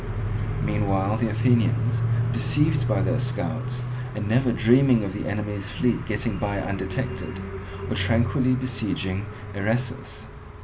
Meanwhile the Athenians, deceived by their scouts, and never dreaming of the enemy's fleet getting by undetected, were tranquilly besieging Eresus.